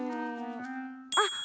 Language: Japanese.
あっ！